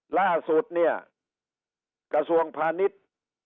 ล่าสุดเนี่ยกระทรวงพาณิชย์